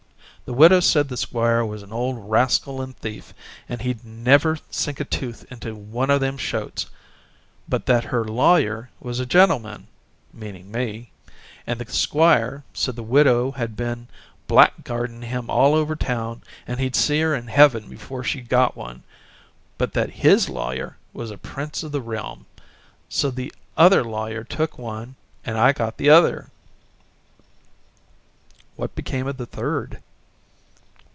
The widow said the squire was an old rascal an' thief and he'd never sink a tooth into one of them shoats, but that her lawyer was a gentleman meanin' me and the squire said the widow had been blackguardin' him all over town and he'd see her in heaven before she got one, but that HIS lawyer was a prince of the realm: so the other lawyer took one and I got the other." "What became of the third?"